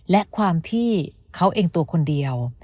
และความพี่เขาเองตัวคนเดียว